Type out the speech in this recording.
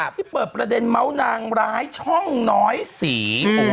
ที่เปิดประเด็นเมาส์นางร้ายช่องน้อยสี